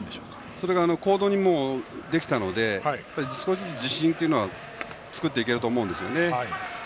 それが行動にできたので少しずつ自信というのは作っていけると思うんですね。